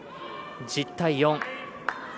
１０対４。